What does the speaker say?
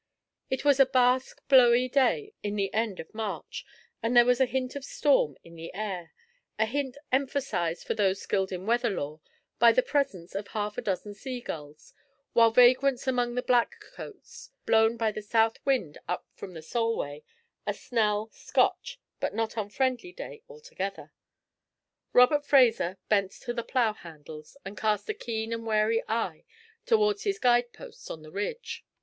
It was a bask blowy day in the end of March, and there was a hint of storm in the air a hint emphasised for those skilled in weather lore by the presence of half a dozen sea gulls, white vagrants among the black coats, blown by the south wind up from the Solway a snell, Scotch, but not unfriendly day altogether. Robert Fraser bent to the plough handles, and cast a keen and wary eye towards his guide posts on the ridge.